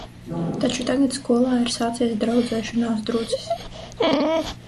Taču tagad skolā ir sācies draudzēšanās drudzis.